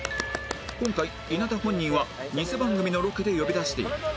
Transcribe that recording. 今回稲田本人は偽番組のロケで呼び出している